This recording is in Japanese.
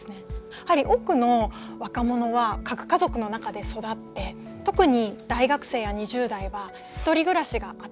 やはり多くの若者は核家族の中で育って特に大学生や２０代は１人暮らしが当たり前で。